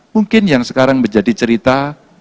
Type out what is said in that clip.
mungkin yang sekarang menjadi cerita